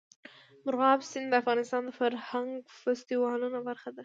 مورغاب سیند د افغانستان د فرهنګي فستیوالونو برخه ده.